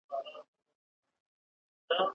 مرغیو سهار وختي ښکلي غږونه کول.